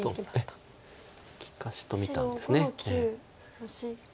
１本利かしと見たんです。